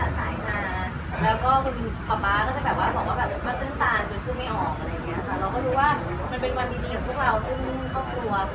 ก็เลยแบบนิดนึงอะไรอย่างนี้ค่ะคุณพ่อก็แบบรับรู้ได้